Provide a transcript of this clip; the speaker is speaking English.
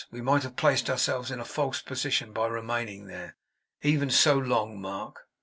We might have placed ourselves in a false position by remaining there, even so long, Mark.